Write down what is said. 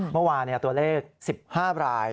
เมื่อวานตัวเลข๑๕ราย